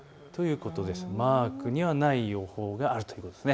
マークにはない予報があるということです。